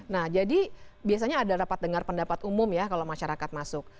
nah jadi biasanya ada rapat dengar pendapat umum ya kalau masyarakat masuk